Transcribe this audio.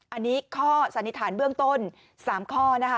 อันนี้ข้อสันนิษฐานเบื้องต้น๓ข้อนะคะ